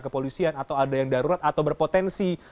kepolisian atau ada yang darurat atau berpotensi